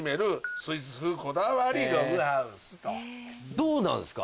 どうなんですか？